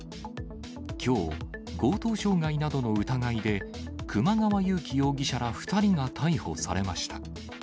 きょう、強盗傷害などの疑いで、熊川勇己容疑者ら２人が逮捕されました。